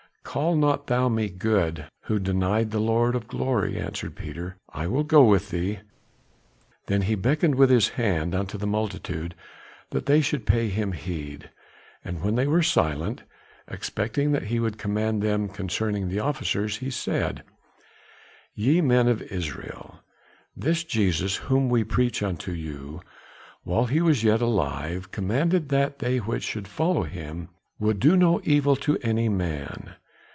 "Call not thou me good, who denied the Lord of Glory," answered Peter. "I will go with thee." Then he beckoned with his hand unto the multitude that they should pay him heed, and when they were silent, expecting that he would command them concerning the officers, he said: "Ye men of Israel, this Jesus, whom we preach unto you, while he was yet alive, commanded that they which would follow him should do no evil to any man.